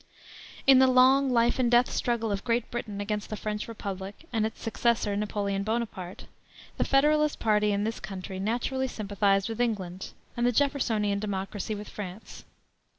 In the long life and death struggle of Great Britain against the French Republic and its successor, Napoleon Bonaparte, the Federalist party in this country naturally sympathized with England, and the Jeffersonian Democracy with France.